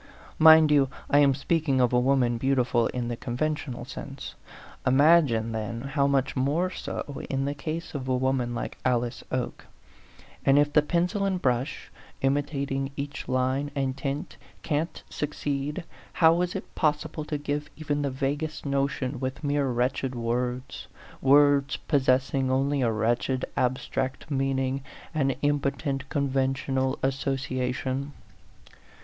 Mind you, I am speaking of a woman beau tiful in the conventional sense. Imagine, then, how much more so in the case of a woman like Alice Oke ; and if the pencil and brush, imitating each line and tint, can't suc ceed, how is it possible to give even the vaguest notion with mere wretched words words possessing only a wretched abstract meaning, an impotent conventional associa A PHANTOM LOVER 27 tion